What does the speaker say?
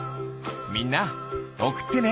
みんなおくってね！